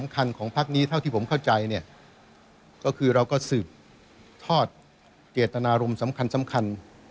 ก็คือเราก็สืบทอดเกตนารมณ์สำคัญ